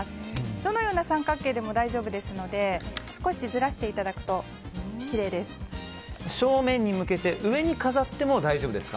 どのような三角形でも大丈夫ですので少しずらしていただくと正面に向けて上に飾っても大丈夫ですか？